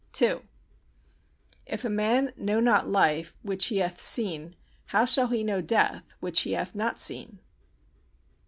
ii If a man know not life which he hath seen how shall he know death which he hath not seen?